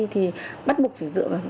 thì bắt buộc chỉ dựa vào